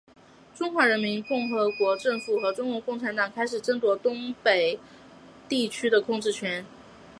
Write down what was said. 中华民国政府和中国共产党开始争夺中国东北地区的控制权。